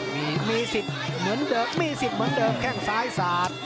มีมีสิทธิ์เหมือนเดิมมีสิทธิ์เหมือนเดิมแข้งซ้ายสาด